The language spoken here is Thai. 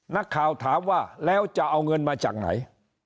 นักข่าวถามว่าแล้วจะเอาเงินมาจากไหน